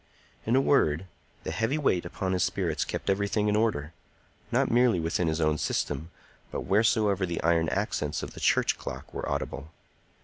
In a word, the heavy weight upon his spirits kept everything in order, not merely within his own system, but wheresoever the iron accents of the church clock were audible.